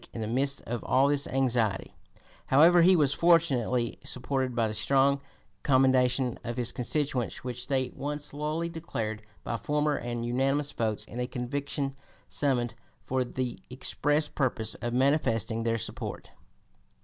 In the midst of all this anxiety, (p. 255) however, he was fortunately supported by the strong commendation of his constituents which they once loyally declared by formal and unanimous votes in a convention summoned for the express purpose of manifesting their support.